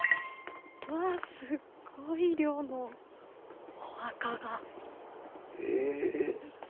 わあすっごい量のお墓が。